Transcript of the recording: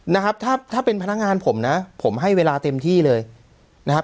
นะครับถ้าถ้าเป็นพนักงานผมนะผมให้เวลาเต็มที่เลยนะครับ